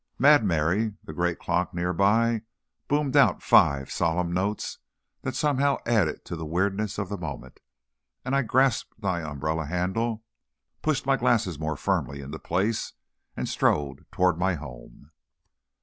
"Mad Mary," the great clock nearby, boomed out five solemn notes that somehow added to the weirdness of the moment, and I grasped my umbrella handle, pushed my glasses more firmly into place, and strode toward my home.